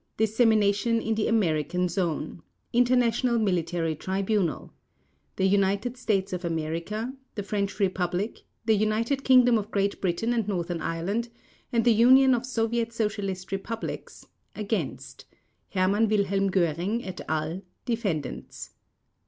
Dissemination in the American Zone INTERNATIONAL MILITARY TRIBUNAL THE UNITED STATES OF AMERICA, THE FRENCH REPUBLIC, THE UNITED KINGDOM OF GREAT BRITAIN AND NORTHERN IRELAND, and THE UNION OF SOVIET SOCIALIST REPUBLICS — against — HERMANN WILHELM GÖRING, et al., Defendants.